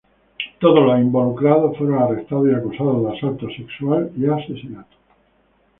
Todos los involucrados fueron arrestados y acusados de asalto sexual y asesinato.